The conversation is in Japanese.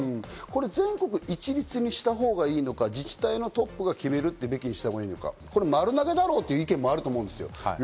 全国一律にしたほうがいいのか自治体のトップが決めるべきなのか、丸投げだろうという意見もあると思います。